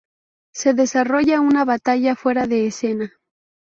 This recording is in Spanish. Se desarrolla una batalla fuera de escena.